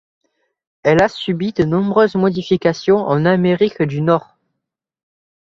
Elle a subi de nombreuses modifications en Amérique du Nord.